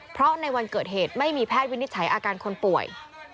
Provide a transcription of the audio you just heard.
เพราะในวันเกิดเหตุไม่มีแพทย์วินิจฉัยอาการคนป่วย